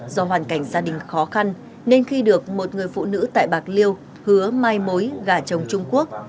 do hoàn cảnh gia đình khó khăn nên khi được một người phụ nữ tại bạc liêu hứa mai mối gả chồng trung quốc